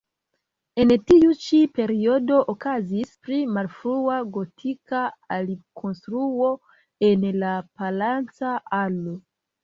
En tiu ĉi periodo okazis pli malfrua gotika alikonstruo en la palaca alo.